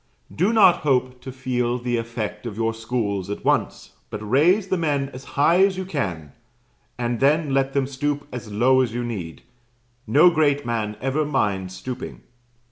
Do not hope to feel the effect of your schools at once, but raise the men as high as you can, and then let them stoop as low as you need; no great man ever minds stooping.